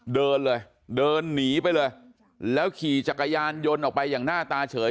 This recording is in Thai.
เดินเลยเดินหนีไปเลยแล้วขี่จักรยานยนต์ออกไปอย่างหน้าตาเฉย